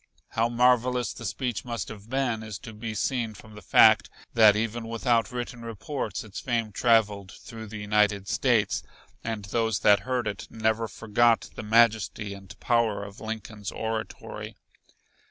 How marvelous the speech must have been is to be seen from the fact that even without written reports its fame traveled through the United States, and those that heard it never forgot the majesty and power of Lincoln's oratory.